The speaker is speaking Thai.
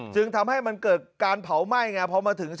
จึงทำให้มันเกิดการเผาไหม้ไงพอมาถึงชั้นบรรยากาศของโลก